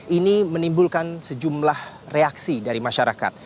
ini menimbulkan sejumlah reaksi dari masyarakat